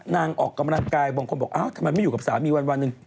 ออกกำลังกายบางคนบอกอ้าวทำไมไม่อยู่กับสามีวันหนึ่ง